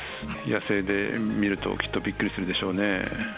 野生で見ると、きっとびっくりするでしょうね。